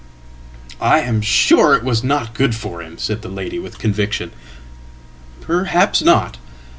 ""I am sure it was not good for him," said the lady with conviction."Perhaps not."